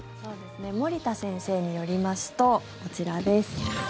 森田先生によりますとこちらです。